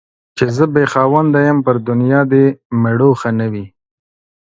چي زه بې خاونده يم ، پر دنيا دي مړوښه نه وي.